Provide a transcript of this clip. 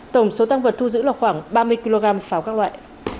tổng số tăng vật thu giữ là khoảng ba mươi kg pháo các loại